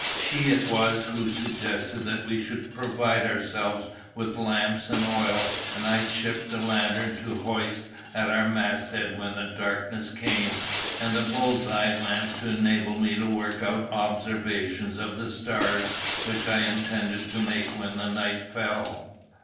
She it was who suggested that we should provide ourselves with lamps and oil; and I shipped a lantern to hoist at our masthead when the darkness came, and the bull's eye lamp to enable me to work out observations of the stars, which I intended to make when the night fell.